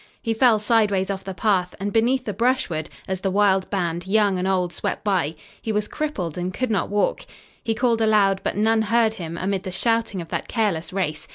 He fell sideways off the path and beneath the brushwood, as the wild band, young and old, swept by. He was crippled and could not walk. He called aloud, but none heard him amid the shouting of that careless race.